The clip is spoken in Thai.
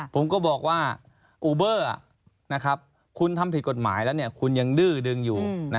ผมก็บอกว่าอูเบอร์คุณทำผิดกฎหมายแล้วคุณยังดื้อดึงอยู่